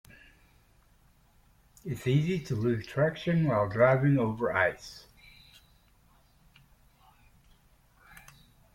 It is easy to lose traction while driving over ice.